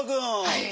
はい。